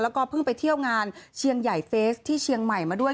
แล้วก็เพิ่งไปเที่ยวงานเชียงใหญ่เฟสที่เชียงใหม่มาด้วย